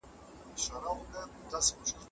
ایا باران د شپې وورېد؟